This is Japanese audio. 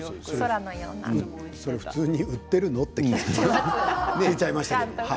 普通に売っているの？って聞いちゃいましたよね。